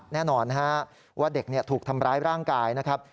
แน่นอนว่าเด็กถูกทำร้ายร่างกายนะครับ